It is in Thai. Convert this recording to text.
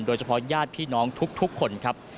โดยเฉพาะญาติพี่น้องทุกคนครับ